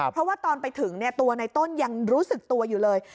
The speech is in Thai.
เพราะว่าตอนไปถึงตัวในต้นยังรู้สึกตัวอยู่เลย